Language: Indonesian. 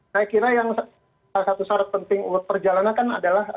saya kira yang salah satu syarat penting untuk perjalanan kan adalah